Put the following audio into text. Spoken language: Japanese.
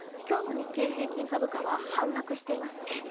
今日の日経平均株価は反落していますね。